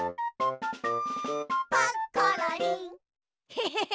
ヘヘヘ！